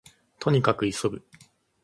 兎に角急ぐ